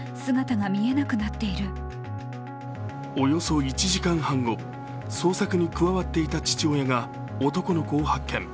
およそ１時間半後、捜索に加わっていた父親が男の子を発見。